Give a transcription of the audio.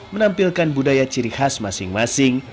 menampilkan budaya ciri khas masing masing